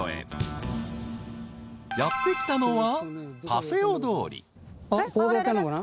［やって来たのは］